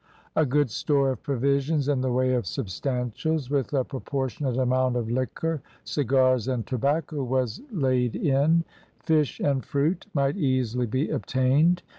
A good store of provisions in the way of substantials, with a proportionate amount of liquor, cigars, and tobacco, was laid in; fish and fruit might easily be obtained.